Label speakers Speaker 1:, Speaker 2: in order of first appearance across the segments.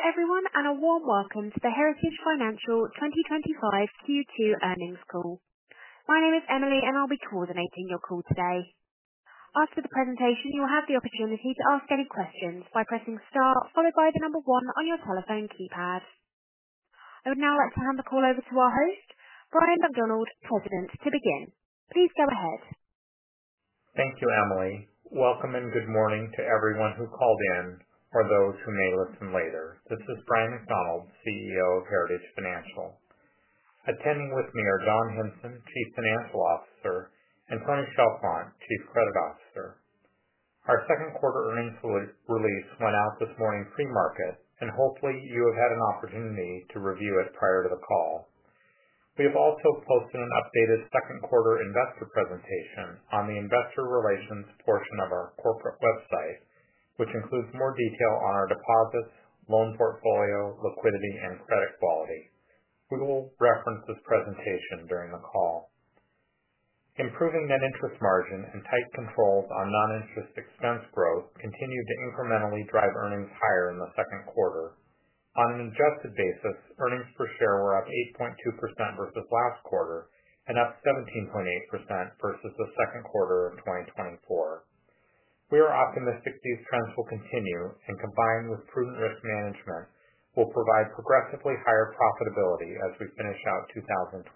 Speaker 1: Everyone, and a warm welcome to the Heritage Financial Corporation 2025 Q2 Earnings call. My name is Emily, and I'll be coordinating your call today. After the presentation, you will have the opportunity to ask any questions by pressing STAR, followed by the number one on your telephone keypad. I would now like to hand the call over to our host, Bryan McDonald, President and CEO, to begin. Please go ahead.
Speaker 2: Thank you, Emily. Welcome and good morning to everyone who called in or those who may listen later. This is Bryan McDonald, CEO of Heritage Financial. Attending with me are Don Hinson, Chief Financial Officer, and Tony Chalfant, Chief Credit Officer. Our second quarter earnings release went out this morning premarket, and hopefully you have had an opportunity to review it prior to the call. We have also posted an updated second quarter investor presentation on the investor relations portion of our corporate website, which includes more detail on our deposits, loan portfolio, liquidity, and credit quality. We will reference this presentation during the call. Improving net interest margin and tight controls on non-interest expense growth continue to incrementally drive earnings higher in the second quarter. On an adjusted basis, earnings per share were up 8.2% versus last quarter and up 17.8% versus the second quarter of 2024. We are optimistic these trends will continue and, combined with prudent risk management, will provide progressively higher profitability as we finish out 2025.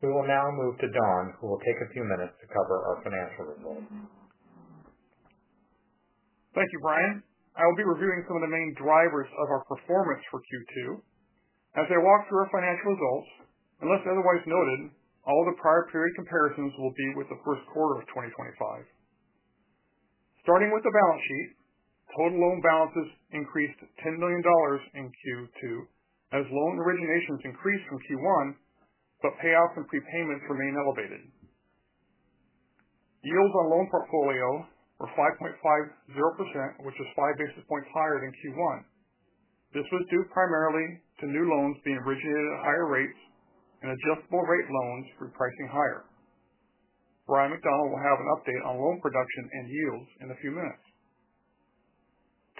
Speaker 2: We will now move to Don, who will take a few minutes to cover our financial results.
Speaker 3: Thank you, Bryan. I will be reviewing some of the main drivers of our performance for Q2. As I walk through our financial results, unless otherwise noted, all the prior period comparisons will be with the first quarter of 2025. Starting with the balance sheet, home loan balances increased $10 million in Q2. As loan originations increased from Q1, the payoff and prepayments remain elevated. Yields on loan portfolio were 5.50%, which is five basis points higher than Q1. This is due primarily to new loans being originated at a higher rate and adjustable rate loans repricing higher. Bryan McDonald will have an update on loan production and yields in a few minutes.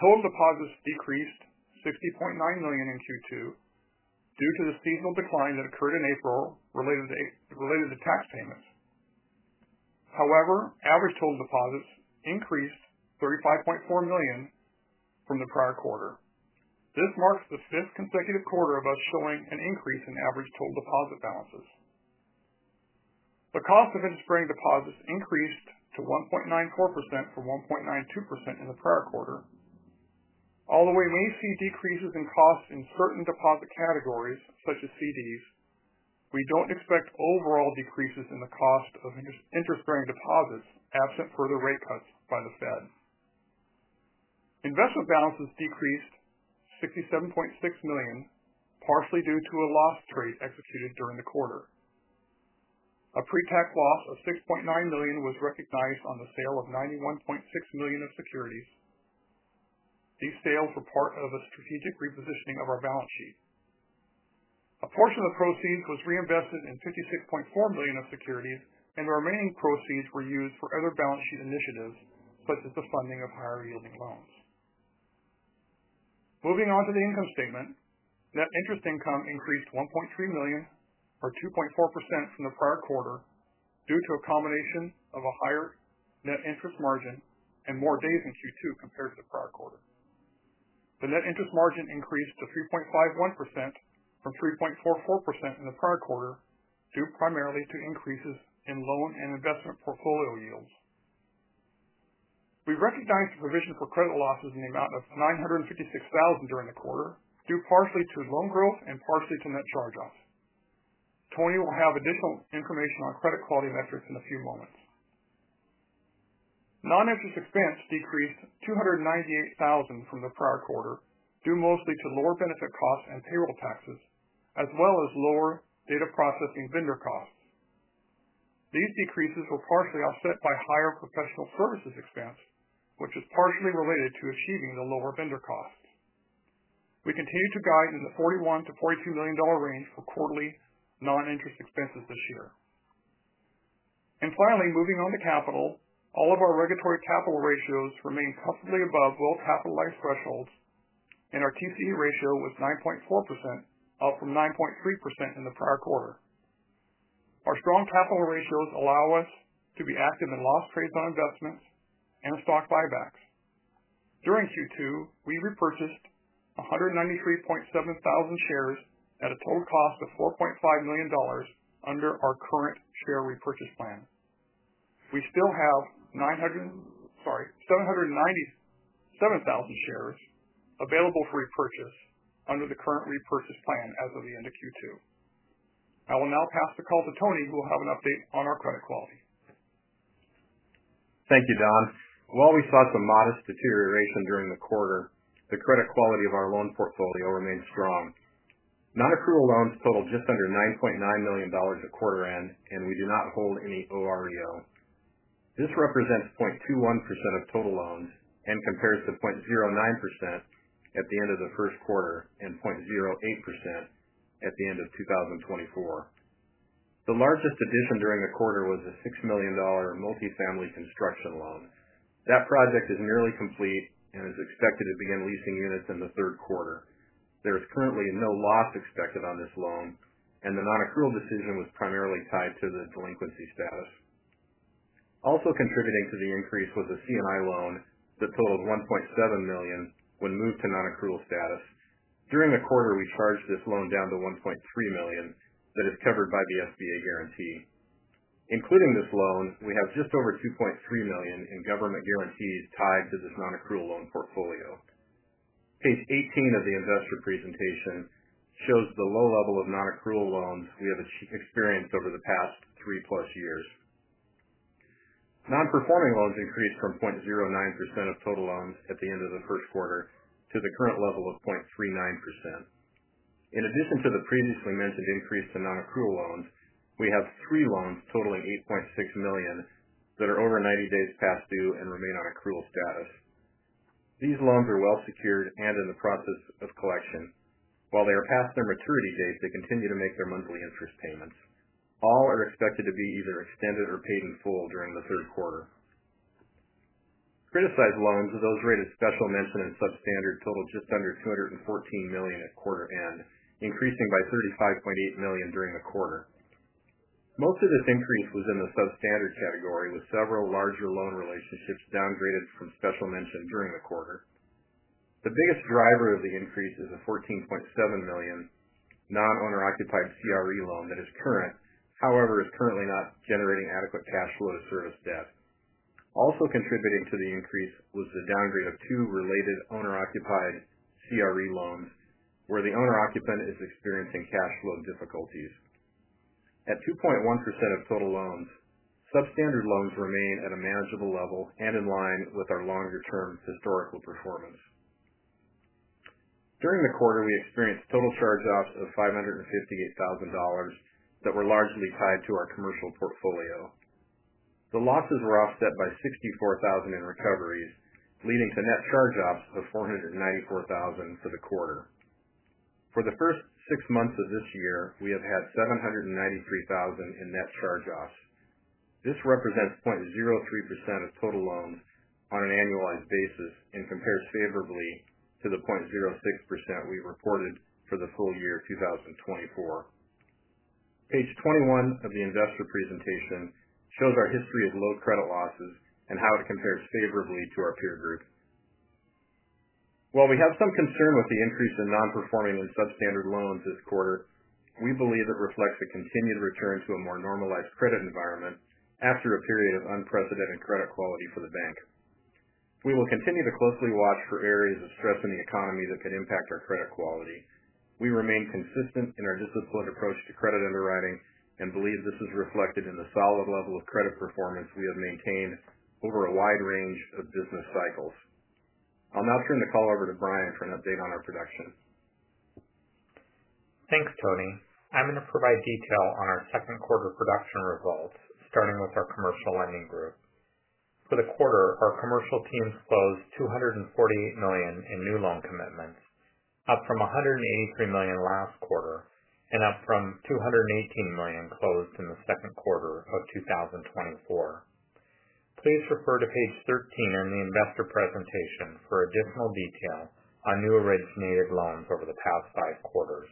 Speaker 3: Total deposits decreased $50.9 million in Q2 due to the seasonal decline that occurred in April related to tax payments. However, average total deposits increased $35.4 million from the prior quarter. This marks the fifth consecutive quarter of us showing an increase in average total deposit balances. The cost of interest-bearing deposits increased to 1.94% from 1.92% in the prior quarter. Although we may see decreases in costs in certain deposit categories, such as CDs, we don't expect overall decreases in the cost of interest-bearing deposits absent further rate cuts by the Fed. Investor balances decreased $67.6 million, partially due to a loss trade executed during the quarter. A pre-tax loss of $6.9 million was recognized on the sale of $91.6 million of securities. These sales were part of a strategic repositioning of our balance sheet. A portion of the proceeds was reinvested in $56.4 million of securities, and the remaining proceeds were used for other balance sheet initiatives, such as the funding of higher yielding loans. Moving on to the income statement, net interest income increased $1.3 million or 2.4% from the prior quarter due to a combination of a higher net interest margin and more days in Q2 compared to the prior quarter. The net interest margin increased to 3.51% from 3.44% in the prior quarter, due primarily to increases in loan and investment portfolio yields. We recognized the provision for credit losses in the amount of $956,000 during the quarter, due partially to loan growth and partially to net charge-offs. Tony will have additional information on credit quality metrics in a few moments. Non-interest expense decreased $298,000 from the prior quarter, due mostly to lower benefit costs and payroll taxes, as well as lower data processing vendor costs. These decreases were partially offset by higher professional services expense, which is partially related to achieving the lower vendor costs. We continue to guide in the $41-$42 million range for quarterly non-interest expenses this year. Finally, moving on to capital, all of our regulatory capital ratios remain comfortably above well-capitalized thresholds, and our TCE ratio was 9.4%, up from 9.3% in the prior quarter. Our strong capital ratios allow us to be active in loss trades on investments and stock buybacks. During Q2, we repurchased 193,700 shares at a total cost of $4.5 million under our current share repurchase plan. We still have 797,000 shares available for repurchase under the current repurchase plan as of the end of Q2. I will now pass the call to Tony, who will have an update on our credit quality.
Speaker 4: Thank you, Don. While we saw some modest deterioration during the quarter, the credit quality of our loan portfolio remains strong. Non-accrual loans total just under $9.9 million at quarter end, and we do not hold any OREO. This represents 0.21% of total loans and compares to 0.09% at the end of the first quarter and 0.08% at the end of 2024. The largest addition during the quarter was a $6 million multifamily construction loan. That project is nearly complete and is expected to begin leasing units in the third quarter. There is currently no loss expected on this loan, and the non-accrual decision was primarily tied to the delinquency status. Also contributing to the increase was a C&I loan that totaled $1.7 million when moved to non-accrual status. During the quarter, we charged this loan down to $1.3 million that is covered by the SBA guarantee. Including this loan, we have just over $2.3 million in government guarantees tied to this non-accrual loan portfolio. Page 18 of the investor presentation shows the low level of non-accrual loans we have experienced over the past three-plus years. Non-performing loans increased from 0.09% of total loans at the end of the first quarter to the current level of 0.39%. In addition to the previously mentioned increase in non-accrual loans, we have three loans totaling $8.6 million that are over 90 days past due and remain on accrual status. These loans are well-secured and in the process of collection. While they are past their maturity date, they continue to make their monthly interest payments. All are expected to be either extended or paid in full during the third quarter. Criticized loans are those rated Special Mention and Substandard, total just under $214 million at quarter end, increasing by $35.8 million during the quarter. Most of this increase was in the substandard category, with several larger loan relationships downgraded from Special Mention during the quarter. The biggest driver of the increase is a $14.7 million non-owner occupied CRE loan that is current; however, it is currently not generating adequate cash flows for its debt. Also contributing to the increase was the downgrade of two related owner-occupied CRE loans, where the owner-occupant is experiencing cash flow difficulties. At 2.1% of total loans, substandard loans remain at a manageable level and in line with our longer-term historical performance. During the quarter, we experienced total charge-offs of $558,000 that were largely tied to our commercial portfolio. The losses were offset by $64,000 in recoveries, leading to net charge-offs of $494,000 for the quarter. For the first six months of this year, we have had $793,000 in net charge-offs. This represents 0.03% of total loans on an annualized basis and compares favorably to the 0.06% we reported for the full year 2024. Page 21 of the investor presentation shows our history of low credit losses and how it compares favorably to our peer group. While we have some concern with the increase in non-performing and substandard loans this quarter, we believe it reflects a continued return to a more normalized credit environment after a period of unprecedented credit quality for the bank. We will continue to closely watch for areas of stress in the economy that could impact our credit quality. We remain consistent in our disciplined approach to credit underwriting and believe this is reflected in the solid level of credit performance we have maintained over a wide range of business cycles. I'll now turn the call over to Bryan for an update on our production.
Speaker 2: Thanks, Tony. I'm going to provide detail on our second quarter production results, starting with our commercial lending group. For the quarter, our commercial teams closed $248 million in new loan commitments, up from $183 million last quarter and up from $218 million closed in the second quarter of 2024. Please refer to page 13 in the investor presentation for additional detail on new originated loans over the past five quarters.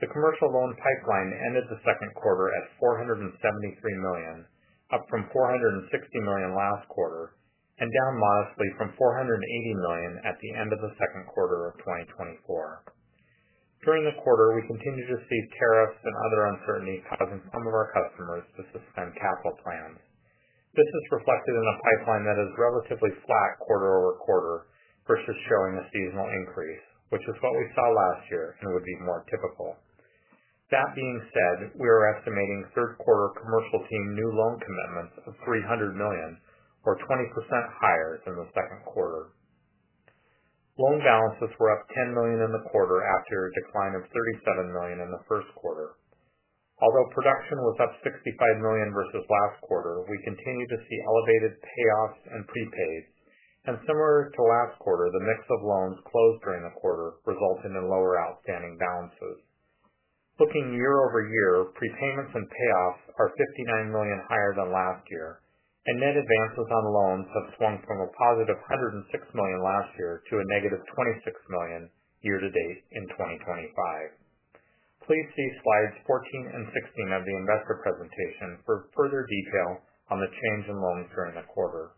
Speaker 2: The commercial loan pipeline ended the second quarter at $473 million, up from $460 million last quarter and down modestly from $480 million at the end of the second quarter of 2024. During the quarter, we continue to see tariffs and other uncertainties causing some of our customers to suspend capital plans. This is reflected in a pipeline that is relatively flat quarter over quarter versus showing a seasonal increase, which is what we saw last year and would be more typical. That being said, we are estimating third quarter commercial team new loan commitments of $300 million, or 20% higher than the second quarter. Loan balances were up $10 million in the quarter after a decline of $37 million in the first quarter. Although production was up $65 million versus last quarter, we continue to see elevated payoffs and prepaids, and similar to last quarter, the mix of loans closed during the quarter resulted in lower outstanding balances. Looking year over year, prepayments and payoffs are $59 million higher than last year, and net advances on loans have shrank from a positive $106 million last year to a negative $26 million year to date in 2025. Please see slides 14 and 16 of the investor presentation for further detail on the change in loans during the quarter.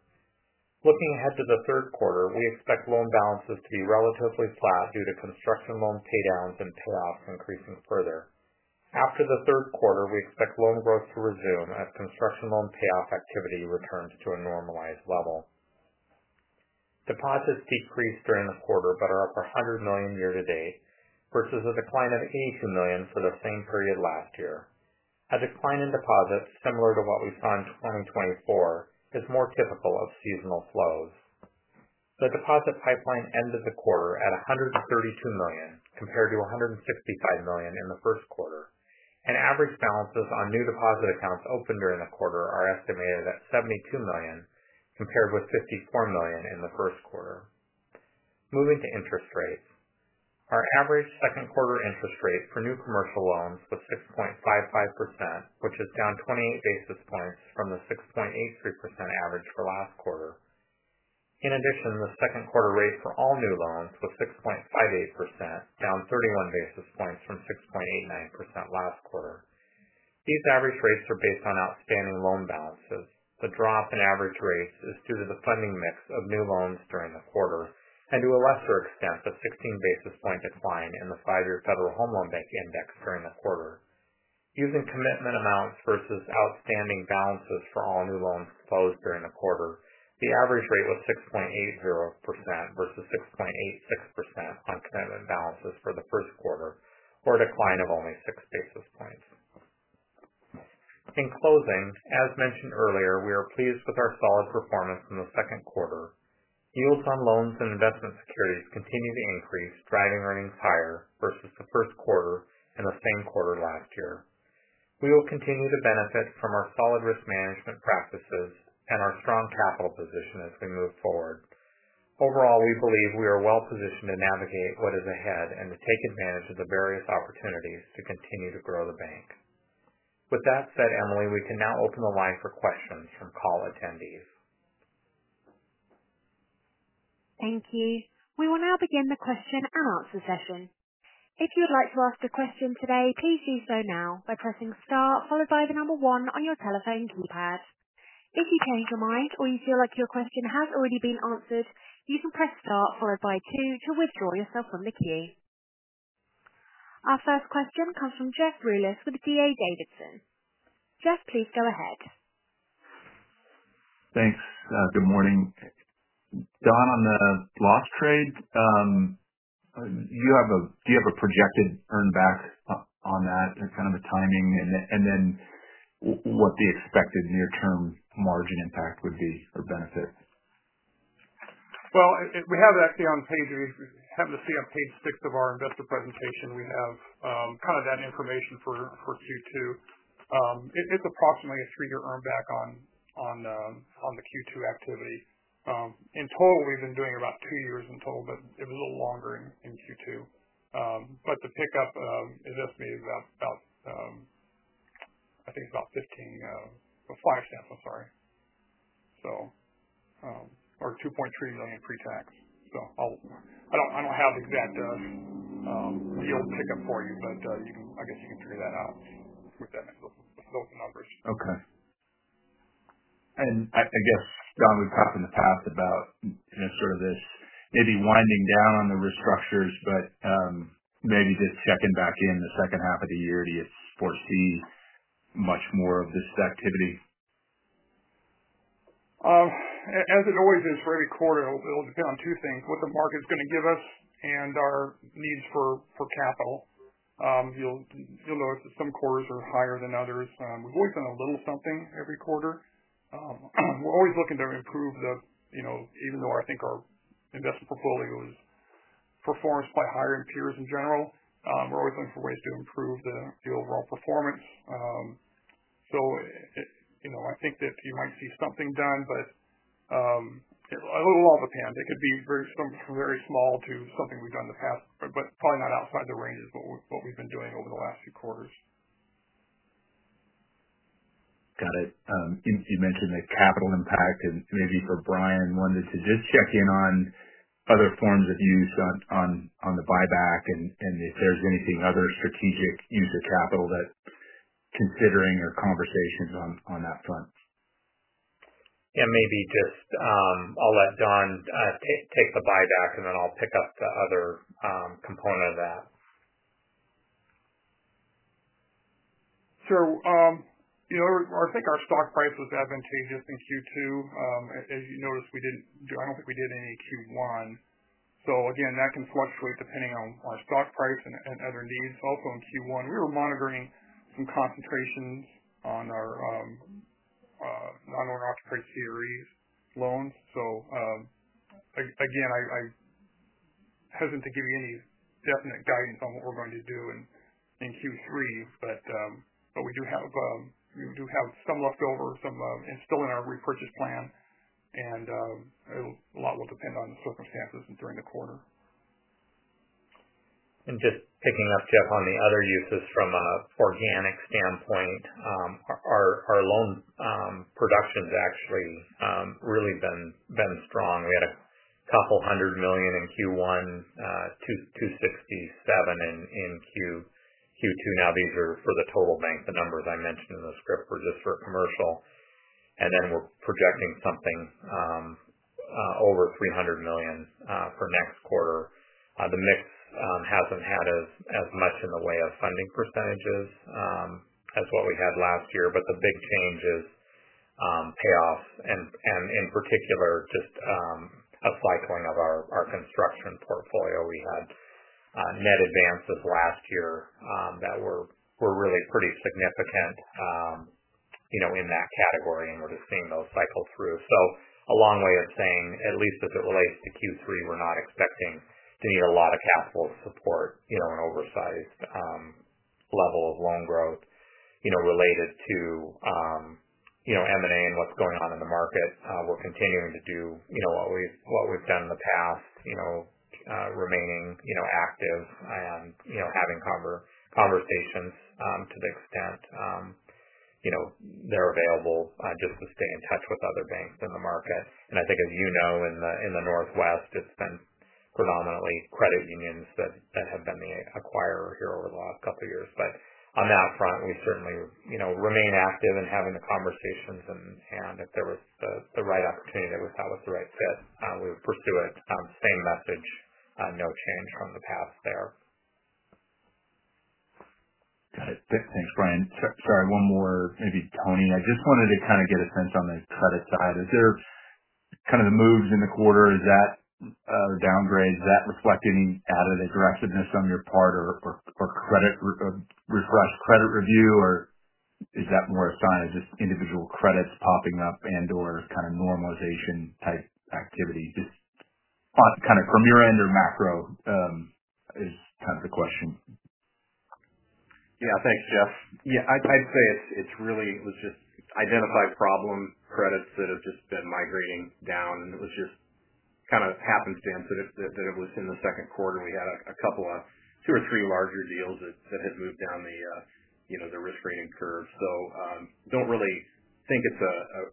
Speaker 2: Looking ahead to the third quarter, we expect loan balances to be relatively flat due to construction loan paydowns and payoffs increasing further. After the third quarter, we expect loan growth to resume as construction loan payoff activity returns to a normalized level. Deposits decreased during the quarter but are up $100 million year to date, versus a decline of $82 million for the same period last year. A decline in deposits, similar to what we saw in 2024, is more typical of seasonal flows. The deposit pipeline ended the quarter at $132 million compared to $165 million in the first quarter, and average balances on new deposit accounts open during the quarter are estimated at $72 million compared with $54 million in the first quarter. Moving to interest rates, our average second quarter interest rate for new commercial loans was 6.55%, which is down 28 basis points from the 6.83% average for last quarter. In addition, the second quarter rate for all new loans was 6.58%, down 31 basis points from 6.89% last quarter. These average rates are based on outstanding loan balances. The drop in average rates is due to the funding mix of new loans during the quarter and to a lesser extent the 16 basis point decline in the Five-Year Federal Home Loan Bank Index during the quarter. Using commitment amounts versus outstanding balances for all new loans closed during the quarter, the average rate was 6.80% versus 6.86% on commitment balances for the first quarter, or a decline of only six basis points. In closing, as mentioned earlier, we are pleased with our solid performance in the second quarter. Yields on loans and investment securities continue to increase, driving earnings higher versus the first quarter and the same quarter last year. We will continue to benefit from our solid risk management practices and our strong capital position as we move forward. Overall, we believe we are well-positioned to navigate what is ahead and to take advantage of the various opportunities to continue to grow the bank. With that said, Emily, we can now open the line for questions from call attendees.
Speaker 1: Thank you. We will now begin the question and answer session. If you would like to ask a question today, please do so now by pressing STAR, followed by the number one on your telephone keypad. If you change your mind or you feel like your question has already been answered, you can press STAR, followed by two to withdraw yourself from the queue. Our first question comes from Jeff Rulis with D.A. Davidson. Jeff, please go ahead.
Speaker 5: Thanks. Good morning. Don, on the loss trade, do you have a projected earn-back on that, kind of the timing, and then what the expected near-term margin impact would be or benefit?
Speaker 3: On page six of our investor presentation, we have that information for Q2. It's approximately a three-year earn-back on the Q2 activity. In total, we've been doing about two years in total, but it was a little longer in Q2. The pickup is estimated about, I think, about $15,000. $500,000. I'm sorry. $2.3 million pre-tax. I don't have the exact yield pickup for you, but you can figure that out with those numbers.
Speaker 5: Okay. Don, we've talked in the past about sort of this maybe winding down on the restructures, but maybe this second back in the second half of the year, do you foresee much more of this activity?
Speaker 3: As it always is for any quarter, it'll depend on two things: what the market's going to give us and our needs for capital. You'll notice that some quarters are higher than others. We've always done a little something every quarter. We're always looking to improve, even though I think our investment portfolio is performed by higher tiers in general. We're always looking for ways to improve the overall performance. I think that you might see something done, but a little off the path. It could vary from very small to something we've done in the past, but probably not outside the range of what we've been doing over the last few quarters.
Speaker 5: Got it. You mentioned the capital impact, and maybe for Bryan, wanted to just check in on other forms of use on the buyback and if they're limiting other strategic use of capital that are considering or conversations on that front.
Speaker 2: Yeah, maybe I'll let Don take the buyback, and then I'll pick up the other component of that.
Speaker 3: Sure. I think our stock price was having changes in Q2. As you noticed, we didn't do, I don't think we did any Q1. That can fluctuate depending on our stock price and other needs also in Q1. We were monitoring some concentrations on our non-owner occupant series loans. I'm hesitant to give you any definite guidance on what we're going to do in Q3, but we do have some leftover, some still in our repurchase plan, and a lot will depend on the circumstances during the quarter.
Speaker 2: Picking up, Jeff, on the other uses from an organic standpoint, our loan production has actually really been strong. We had a couple hundred million in Q1, $267 million in Q2. These are for the total bank. The numbers I mentioned in the script were just for commercial, and then we're projecting something over $300 million for next quarter. The mix hasn't had as much in the way of funding percentages as what we had last year, but the big change is payoffs and in particular just a cycling of our construction portfolio. We had net advances last year that were really pretty significant in that category, and we're just seeing those cycles through. A long way of saying, at least as it relates to Q3, we're not expecting to need a lot of capital support, an oversized level of loan growth related to M&A and what's going on in the markets. We're continuing to do what we've done in the past, remaining active and having conversations to the extent they're available just to stay in touch with other banks in the market. I think, as you know, in the Northwest, it's been predominantly credit unions that have been the acquirer here over the last couple of years. On that front, we certainly remain active in having the conversations, and if there was the right opportunity, it was probably the right fit. We would pursue it, same message, no change from the past there.
Speaker 5: Got it. Thanks, Bryan. Sorry, one more, maybe Tony. I just wanted to kind of get a sense on the credit side. Is there kind of the moves in the quarter? Is that a downgrade? Is that reflecting out of the aggressiveness on your part or credit request credit review, or is that more a sign of just individual credits popping up and/or kind of normalization type activity? Just kind of from your end or macro, is kind of the question.
Speaker 4: Yeah, thanks, Jeff. I'd say it was just identified problem credits that have just been migrating down, and it was just kind of happenstance that it was in the second quarter. We had a couple of two or three larger deals that had moved down the risk rating curve. I don't really think it's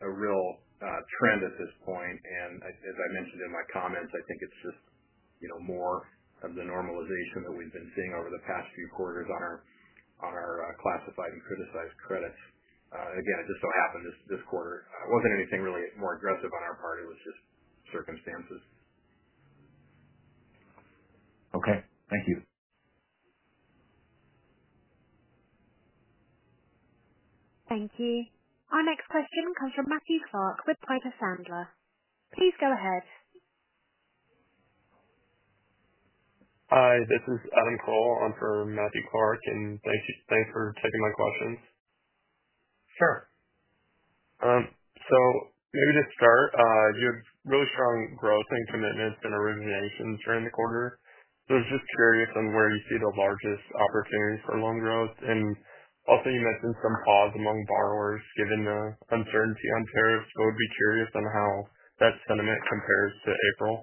Speaker 4: a real trend at this point. As I mentioned in my comments, I think it's just more of the normalization that we've been seeing over the past few quarters on our classified and criticized credits. It just so happened this quarter wasn't anything really more aggressive on our part. It was just circumstances.
Speaker 5: Okay, thank you.
Speaker 1: Thank you. Our next question comes from Matthew Clark with Piper Sandler. Please go ahead.
Speaker 6: Hi, this is Adam Kroll for Matthew Clark, and thanks for taking my questions.
Speaker 2: Sure.
Speaker 6: You have really strong growth, and you've been admitted to originations during the quarter. I was just curious on where you see the largest opportunity for loan growth. Also, you mentioned some pause among borrowers given the uncertainty on tariffs. I would be curious on how that sentiment compares to April.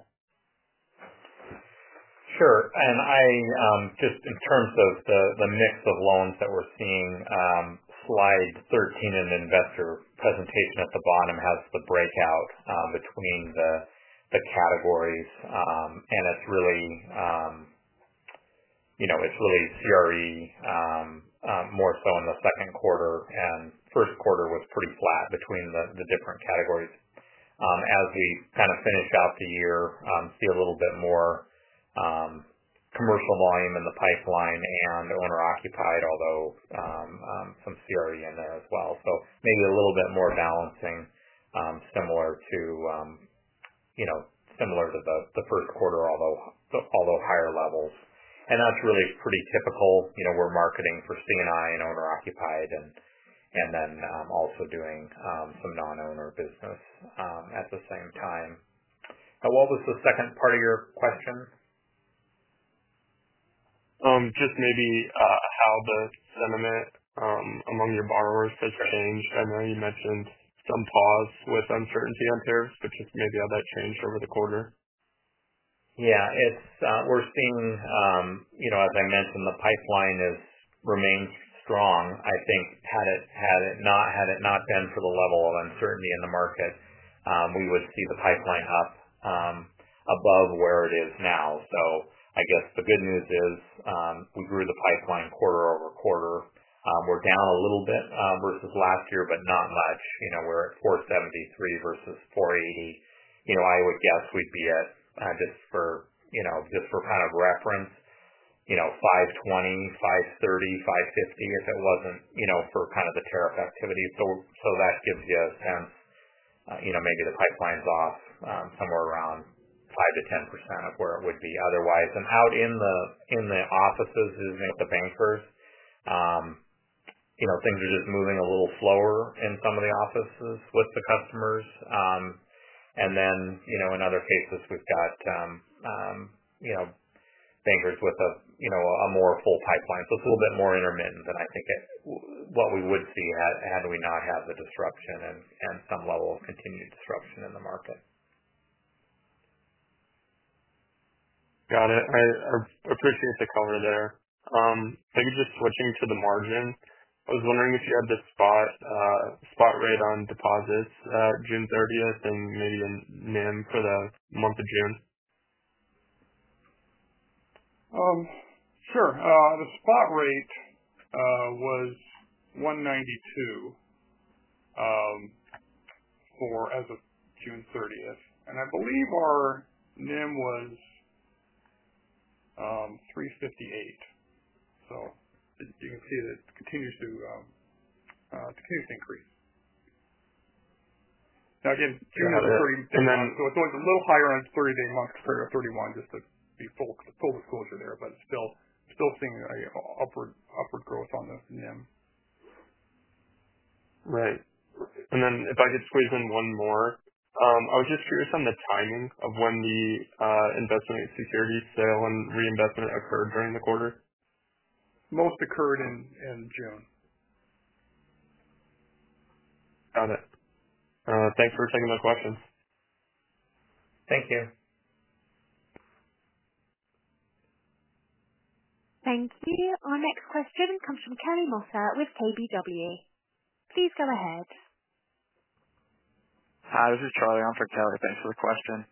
Speaker 2: Sure. In terms of the mix of loans that we're seeing, slide 13 in the investor presentation at the bottom has the breakout between the categories, and it's really, you know, it's really CRE more so in the second quarter, and the first quarter was pretty flat between the different categories. As we kind of finish out the year, see a little bit more commercial volume in the pipeline and owner-occupied, although some CRE in there as well. Maybe a little bit more balancing similar to, you know, similar to the first quarter, although higher levels. That's really pretty typical. We're marketing for C&I and owner-occupied and then also doing some non-owner business at the same time. Now, what was the second part of your question?
Speaker 6: Just maybe how the sentiment among your borrowers has gone. I know you mentioned some pause with uncertainty on tariffs, but just maybe how that changed over the quarter.
Speaker 2: Yeah, we're seeing, you know, as I mentioned, the pipeline has remained strong. I think had it not been for the level of uncertainty in the market, we would see the pipeline up above where it is now. The good news is we grew the pipeline quarter over quarter. We're down a little bit versus last year, but not much. We're at 473 versus 480. I would guess we'd be at, just for reference, 520, 530, 550 if it wasn't for the tariff activity. That gives you a sense, maybe the pipeline's off somewhere around 5% to 10% of where it would be otherwise. Out in the offices and at the bankers, things are just moving a little slower in some of the offices with the customers. In other cases, we've got bankers with a more full pipeline. It's a little bit more intermittent than I think what we would see had we not had the disruption and some level of continued disruption in the market.
Speaker 6: Got it. I appreciate the cover there. Maybe just switching to the margin, I was wondering if you had the spot rate on deposits at June 30th and maybe the NIM for the month of June.
Speaker 3: Sure. The spot rate was 1.92% for June 30, and I believe our net interest margin was 3.58%. You can see that it continues to increase. June 30, it was a little higher on the 30th, and it marked for 3.1% just to be full disclosure there, but still seeing upward growth on this net interest margin.
Speaker 6: Right. If I could squeeze in one more, I was just curious on the timing of when the investment securities sale and reinvestment occurred during the quarter.
Speaker 3: Both occurred in June.
Speaker 6: Got it. Thanks for taking the questions.
Speaker 2: Thank you.
Speaker 1: Thank you. Our next question comes from Kelly Mosser with KBW. Please go ahead. Hi, this is Charlie on for Kelly. Thanks for the question.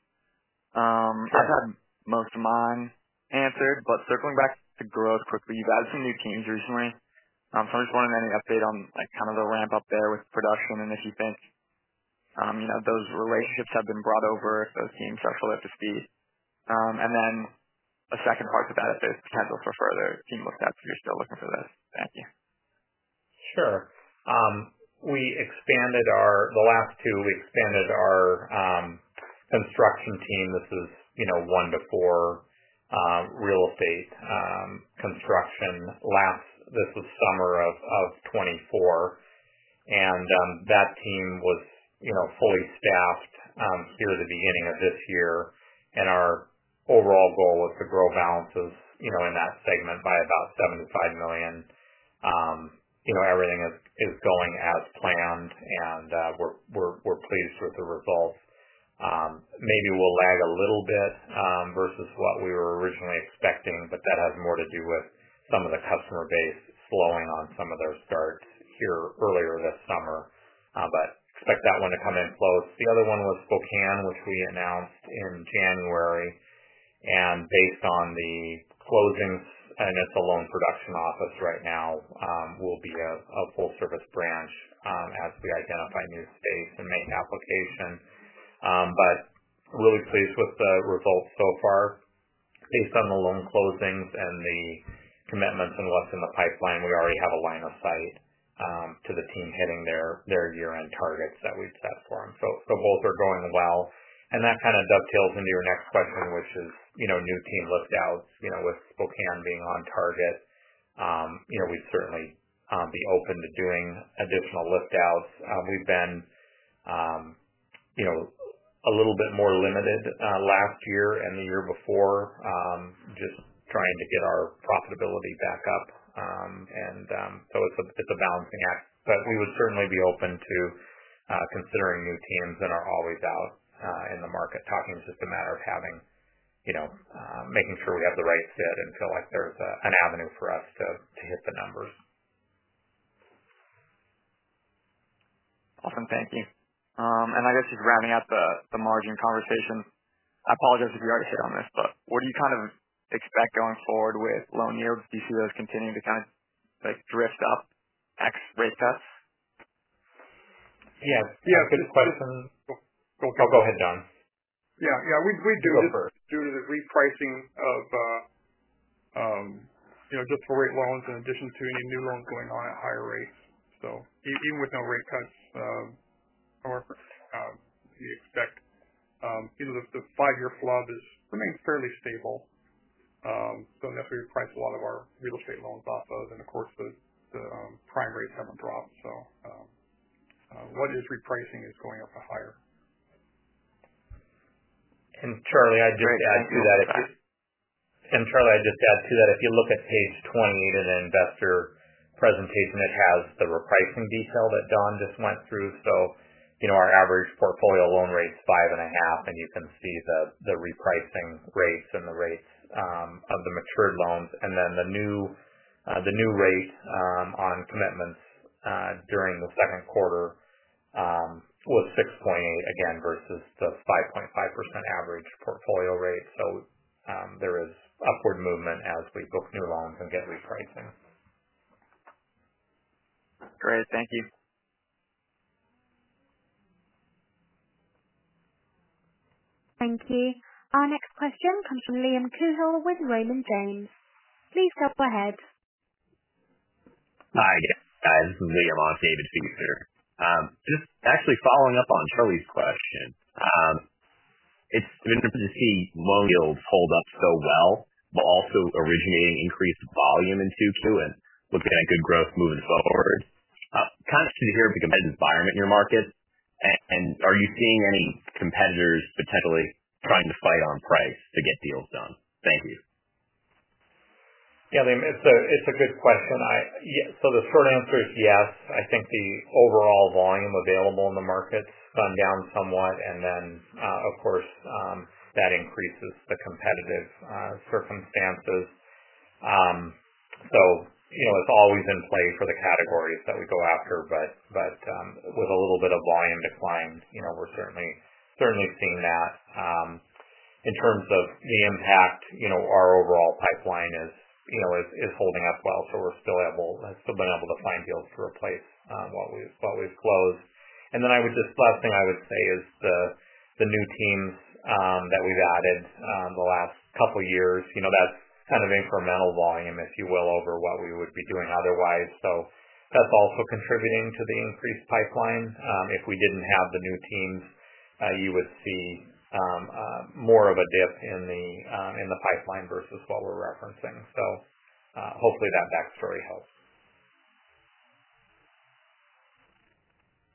Speaker 1: I've had most of mine answered, but circling back to growth quickly, you've added some new teams recently. I'm curious if you wanted any update on kind of the ramp-up there with production and if you think those relationships have been brought over, if those teams are still at the speed. A second part to that, if there's potential for further team liftouts, if you're still looking for those. Thank you.
Speaker 2: Sure. We expanded our construction team. This is, you know, one to four real estate construction last, this was summer of 2024. That team was fully staffed through the beginning of this year. Our overall goal was to grow balances in that segment by about $75 million. Everything is going as planned, and we're pleased with the results. Maybe we'll lag a little bit versus what we were originally expecting, but that has more to do with some of the customer base slowing on some of their starts earlier this summer. Expect that one to come in slow. The other one was Spokane, which we announced in January. Based on the closings, and it's a loan production office right now, it will be a full-service branch as we identify new space and make an application. Really pleased with the results so far. Based on the loan closings and the commitments and what's in the pipeline, we already have a line of sight to the team hitting their year-end targets that we've set for them. Both are going well. That kind of dovetails into your next question, which is new team liftouts, with Spokane being on target. We'd certainly be open to doing additional liftouts. We've been a little bit more limited last year and the year before, just trying to get our profitability back up. It's a balancing act. We would certainly be open to considering new teams that are always out in the market. Talking is just a matter of making sure we have the right fit and feel like there's an avenue for us to hit the numbers. Awesome. Thank you. I guess just rounding out the margin conversation, I apologize if you already hit on this, but what do you kind of expect going forward with loan yields? Do you see those continuing to kind of like drift up ex-rate cuts?
Speaker 3: Yeah, I could just put some.
Speaker 2: Go ahead, Don.
Speaker 3: Yeah, we do.
Speaker 2: Super.
Speaker 3: Due to the repricing of just for rate loans in addition to any new loans going on at higher rates, even with no rate cuts, you expect the five-year flood remains fairly stable. That's where we price a lot of our real estate loans off of. Of course, the prime rates haven't dropped. What is repricing is going up for higher.
Speaker 2: Charlie, I'd just add to that. Sorry. Charlie, I'd just add to that. If you look at page 20 of the investor presentation, it has the repricing detail that Don just went through. You know, our average portfolio loan rate is 5.5%, and you can see the repricing rates and the rates of the matured loans. The new rate on commitments during the second quarter was 6.8% versus the 5.5% average portfolio rate. There is upward movement as we book new loans and get repricing.
Speaker 6: Great. Thank you.
Speaker 1: Thank you. Our next question comes from Liam Coohill with Raymond James. Please go ahead.
Speaker 7: Hi, guys. This is Liam on D.A. Davidson here. I'm just actually following up on Charlie's question. It's been interesting to see loan yields hold up so well, but also originating increased volume in Q2 and looking at good growth moving forward. Kind of interested to hear if you compare the environment in your markets, and are you seeing any competitors potentially trying to fight on price to get deals done? Thank you.
Speaker 2: Yeah, Liam, it's a good question. The short answer is yes. I think the overall volume available in the market's gone down somewhat, and of course, that increases the competitive circumstances. It's always in play for the categories that we go after. With a little bit of volume decline, we're certainly seeing that. In terms of the impact, our overall pipeline is holding up well. We're still able, I've still been able to find deals to replace what we've closed. The last thing I would say is the new teams that we've added the last couple of years, that's kind of incremental volume, if you will, over what we would be doing otherwise. That's also contributing to the increased pipeline. If we didn't have the new teams, you would see more of a dip in the pipeline versus what we're referencing. Hopefully that backstory helps.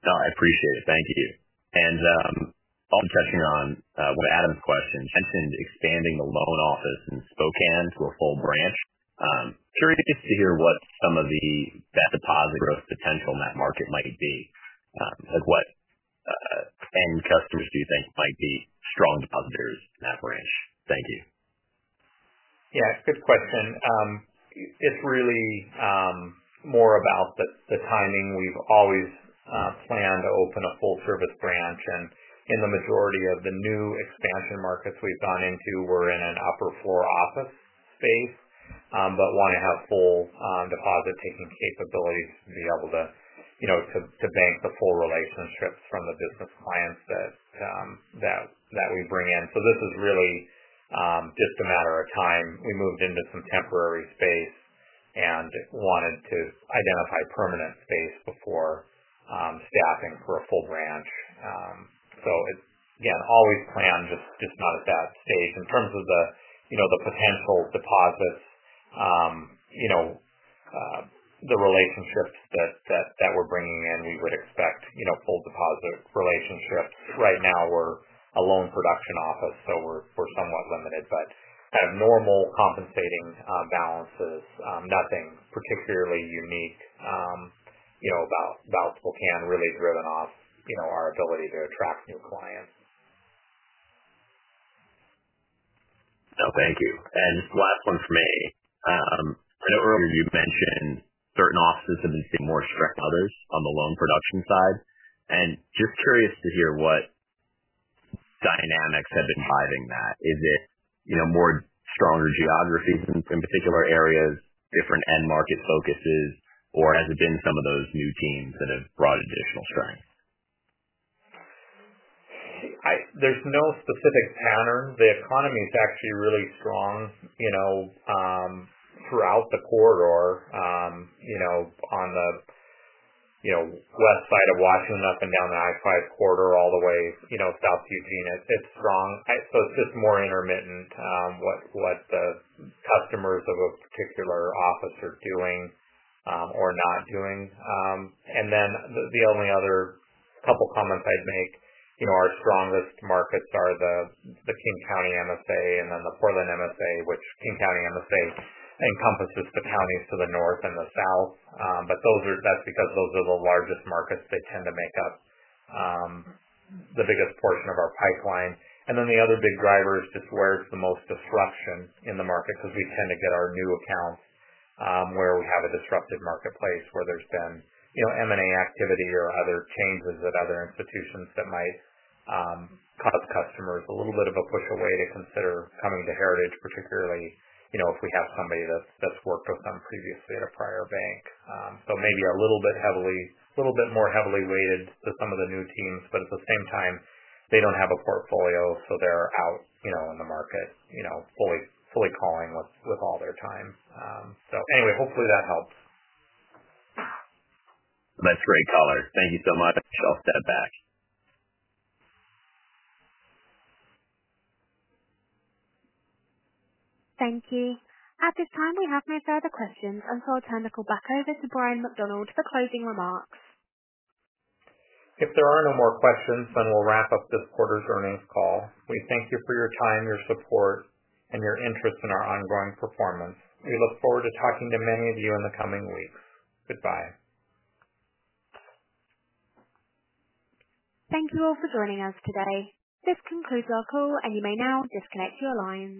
Speaker 7: No, I appreciate it. Thank you. I'll jump in on Adam's question. Mentioned expanding the loan office in Spokane to a full branch. Curious to hear what some of the deposit growth potential in that market might be. Like what end customers do you think might be strong depositors in that branch? Thank you.
Speaker 2: Yeah, it's a good question. It's really more about the timing. We've always planned to open a full-service branch, and in the majority of the new expansion markets we've gone into, we're in an upper-floor office space, but want to have full deposit-taking capabilities to be able to, you know, to bank the full relationships from the business clients that we bring in. This is really just a matter of time. We moved into some temporary space and wanted to identify permanent space before staffing for a full branch. It's, again, always planned, just not at that stage. In terms of the potential deposits, the relationships that we're bringing in, we would expect full deposit relationships. Right now, we're a loan production office, so we're somewhat limited, but kind of normal compensating balances, nothing particularly unique about Spokane, really driven off our ability to attract new clients.
Speaker 7: Thank you. Last one for me. I know earlier you mentioned certain offices have been seeing more stretch outers on the loan production side, and just curious to hear what dynamics have been driving that. Is it, you know, more stronger geographies in particular areas, different end market focuses, or has it been some of those new teams that have brought additional strength?
Speaker 2: There's no specific pattern. The economy is actually really strong throughout the corridor, on the west side of Washington and up and down the I-5 corridor all the way south to Eugene. It's strong. It's just more intermittent what the customers of a particular office are doing or not doing. The only other couple of comments I'd make, our strongest markets are the King County MSA and then the Portland MSA, which King County MSA encompasses the counties to the north and the south. That's because those are the largest markets that tend to make up the biggest portion of our pipeline. The other big driver is just where there's the most deflection in the market because we tend to get our new accounts where we have a disrupted marketplace where there's been M&A activity or other changes at other institutions that might cause customers a little bit of a push away to consider coming to Heritage, particularly if we have somebody that's worked with them previously at a prior bank. Maybe a little bit more heavily weighted to some of the new teams, but at the same time, they don't have a portfolio, so they're out in the market fully calling with all their time. Hopefully that helps.
Speaker 7: That's great, Tyler. Thank you so much. I'll step back.
Speaker 1: Thank you. At this time, we have no further questions, and I'll turn the call back over to Bryan McDonald for closing remarks.
Speaker 2: If there are no more questions, we'll wrap up this quarter's earnings call. We thank you for your time, your support, and your interest in our ongoing performance. We look forward to talking to many of you in the coming weeks. Goodbye.
Speaker 1: Thank you all for joining us today. This concludes our call, and you may now disconnect your line.